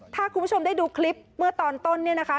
ถ้าคุณผู้ชมได้ดูคลิปเมื่อตอนต้นเนี่ยนะคะ